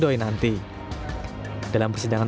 doi nanti dalam persidangan